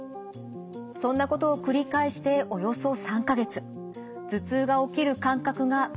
そんなことを繰り返しておよそ３か月。